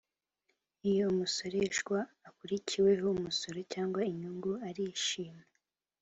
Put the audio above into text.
iyo umusoreshwa akuriweho umusoro cyangwa inyungu arishima